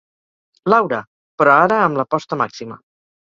Laura—, però ara amb l'aposta màxima.